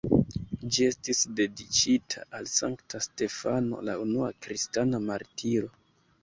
Ĝi estis dediĉita al Sankta Stefano, la unua kristana martiro.